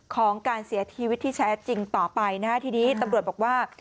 ของการเสียชีวิตที่แท้จริงต่อไปนะฮะทีนี้ตำรวจบอกว่า